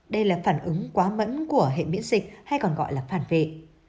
đây là phản ứng quá mẫn của hệ miễn dịch hay còn gọi là phản vệ